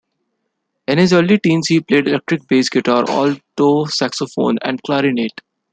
In his early teens he played electric bass guitar, alto saxophone, and clarinet.